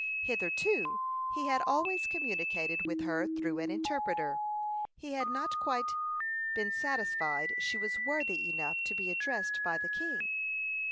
Hitherto he had always communicated with her through an interpreter. He had not been quite satisfied she was worthy enough to be addressed by the king.